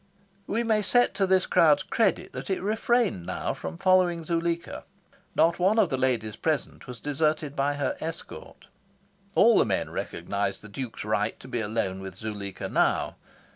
We may set to this crowd's credit that it refrained now from following Zuleika. Not one of the ladies present was deserted by her escort. All the men recognised the Duke's right to be alone with Zuleika now.